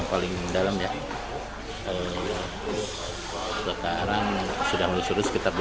sekarang sudah menyusul sekitar dua puluh cm